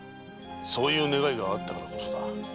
そういう願いがあったからこそだ。